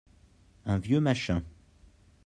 un vieux machin.